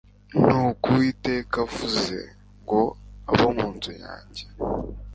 ni ko uwiteka avuze. ngo abo munzu yanjye